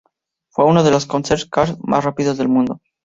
Fue uno de los concept cars más rápidos en el mundo.